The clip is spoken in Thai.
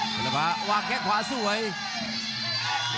เย็นละพาวางแข้งขวาสวย